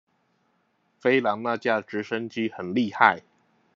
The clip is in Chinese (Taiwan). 飛狼那架直升機很厲害